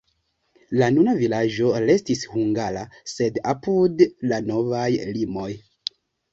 La nuna vilaĝo restis hungara, sed apud la novaj limoj.